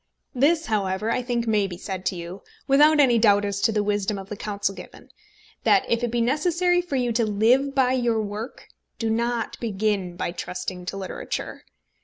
This, however, I think may be said to you, without any doubt as to the wisdom of the counsel given, that if it be necessary for you to live by your work, do not begin by trusting to literature.